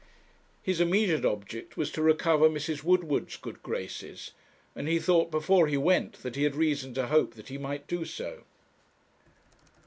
His immediate object was to recover Mrs. Woodward's good graces; and he thought before he went that he had reason to hope that he might do so.